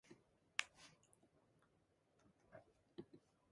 Moreover, art has the ability to inspire and uplift us.